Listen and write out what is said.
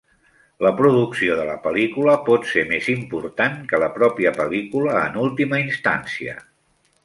La producció de la pel·lícula pot ser més important que la pròpia pel·lícula en última instància.